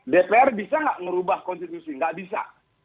dpr bisa nggak merubah konstitusi nggak bisa